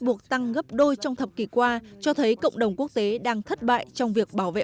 buộc tăng gấp đôi trong thập kỷ qua cho thấy cộng đồng quốc tế đang thất bại trong việc bảo vệ